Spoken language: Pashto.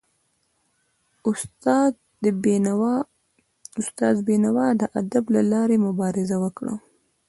استاد بینوا د ادب له لاري مبارزه وکړه.